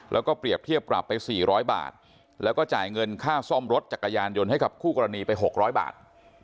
แล้วก็เปรียบเทียบปรับไป๔๐๐บาทแล้วก็จ่ายเงินค่าซ่อมรถจักรยานยนต์ให้กับคู่กรณีไป๖๐๐บาท